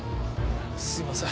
すいません。